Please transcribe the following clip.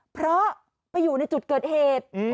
เพราะไปอยู่ในจุดเกิดเหตุ